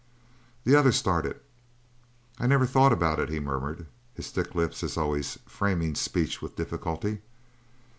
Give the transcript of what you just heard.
The other started. "I never thought about it," he murmured, his thick lips, as always, framing speech with difficulty.